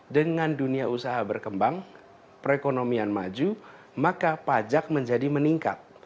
dengan dunia usaha berkembang perekonomian maju maka pajak menjadi meningkat